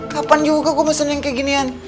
kapan juga gua pesan yang kaya ginian